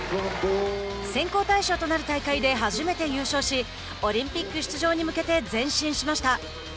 選考対象となる大会で初めて優勝し、オリンピック出場に向けて前進しました。